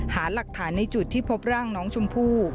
หาหลักฐานในจุดที่พบร่างน้องชมพู่